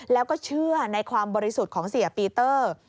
แล้วก็เชื่อในความบริสุทธิ์ของเสียปีเตอร์